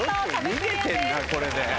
よく逃げてんなこれで。